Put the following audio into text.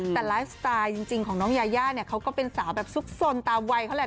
แต่ไลฟ์สไตล์จริงของน้องยายาเนี่ยเขาก็เป็นสาวแบบซุกสนตามวัยเขาแหละ